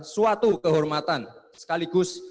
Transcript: suatu kehormatan sekaligus